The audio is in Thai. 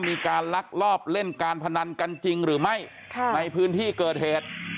ลักลอบเล่นการพนันกันจริงหรือไม่ในพื้นที่เกิดเหตุ